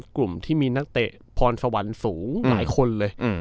กลุ่มที่มีนักเตะพรสวรรค์สูงหลายคนเลย